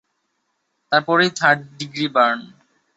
তার পরেই third degree burn.